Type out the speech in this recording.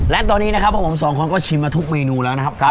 และตอนนี้นะครับพวกผมสองคนก็ชิมมาทุกเมนูแล้วนะครับ